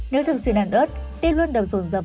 nếu thường xuyên ăn ớt tim luôn đập rồn rập